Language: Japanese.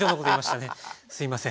すいません